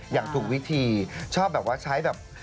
อย่างถูกวิธีชอบแบบว่าใช้แบบ